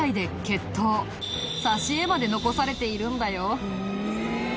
挿絵まで残されているんだよ。